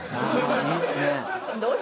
いいっすね。